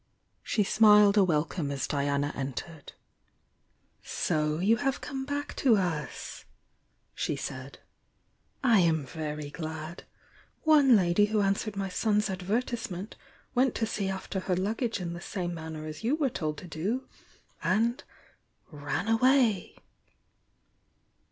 She smiled a wel come as Diana entered. "So you have come back to us!" she said. "I am very glad! One lady who answered my son's ad vertisement, went to see after her luggage in the same nianner as you were told to do — and — ran away!"